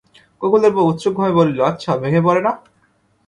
গোকুলের বউ উৎসুকভাবে বলিল, আচ্ছা, ভেঙে পড়ে না?